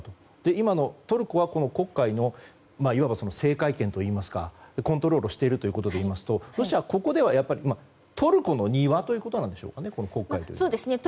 今、トルコは黒海の制海権といいますかコントロールしているということでいいますとここは、やはりトルコの庭ということなんでしょうか、黒海では。